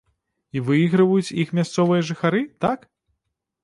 І выйграваюць іх мясцовыя жыхары, так?